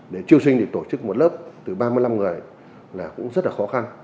để triêu sinh thì tổ chức một lớp từ ba mươi năm người là cũng rất là khó khăn